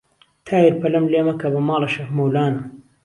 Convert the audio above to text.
تایر پەلەم لێ مەکە بە ماڵە شێخ مەولانە